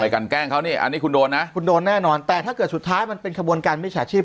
กันแกล้งเขานี่อันนี้คุณโดนนะคุณโดนแน่นอนแต่ถ้าเกิดสุดท้ายมันเป็นขบวนการมิจฉาชีพ